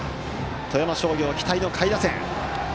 富山商業期待の下位打線。